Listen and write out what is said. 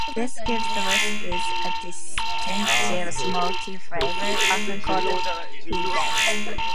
This gives the whiskies a distinctive smoky flavour, often called "peatiness".